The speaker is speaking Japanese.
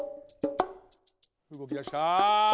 うごきだした。